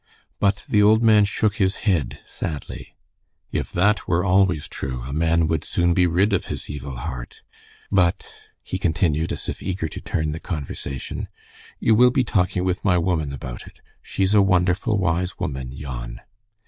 But the old man shook his head sadly. "If that were always true a man would soon be rid of his evil heart. But," he continued, as if eager to turn the conversation, "you will be talking with my woman about it. She's a wonderful wise woman, yon."